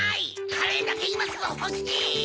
カレーだけいますぐほしい！